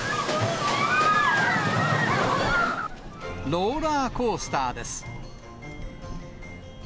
ローラーコースターです。